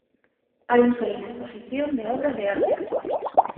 Hay un Salón de Exposición de Obras de Arte.